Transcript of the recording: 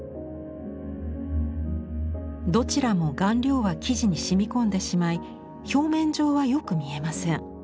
どちらも顔料は生地に染み込んでしまい表面上はよく見えません。